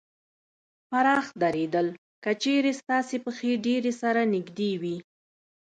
پراخ درېدل : که چېرې ستاسې پښې ډېرې سره نږدې وي